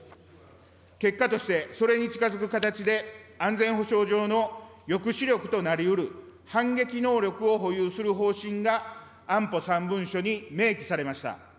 結果としてそれに近づく形で、安全保障上の抑止力となりうる、反撃能力を保有する方針が、安保３文書に明記されました。